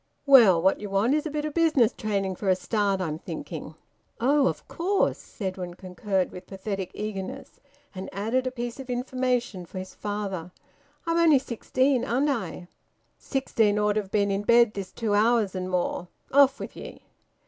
"Well, what you want is a bit o' business training for a start, I'm thinking." "Oh, of course!" Edwin concurred, with pathetic eagerness, and added a piece of information for his father: "I'm only sixteen, aren't I?" "Sixteen ought to ha' been in bed this two hours and more. Off with ye!"